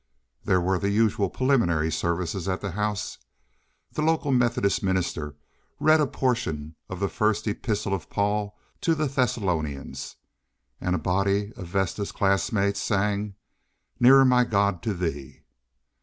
There were the usual preliminary services at the house. The local Methodist minister read a portion of the first epistle of Paul to the Thessalonians, and a body of Vesta's classmates sang "Nearer My God to Thee."